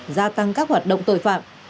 gia tăng các hoạt động tội phạm